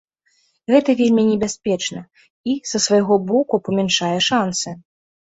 Гэта вельмі небяспечна, і, са свайго боку, памяншае шанцы.